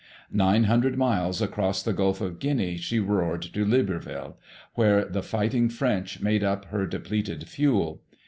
Nine hundred miles across the Gulf of Guinea she roared to Libreville, where the Fighting French made up her depleted fuel.